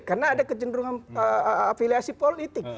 karena ada kecenderungan afiliasi politik